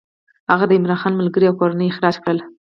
هغه د عمرا خان ملګري او کورنۍ اخراج کړل.